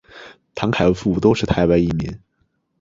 谭凯文父母都是台湾移民。